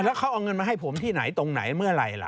แล้วเขาเอาเงินมาให้ผมที่ไหนตรงไหนเมื่อไหร่ล่ะ